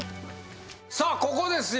さあここですよ